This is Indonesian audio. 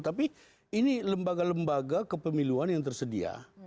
tapi ini lembaga lembaga kepemiluan yang tersedia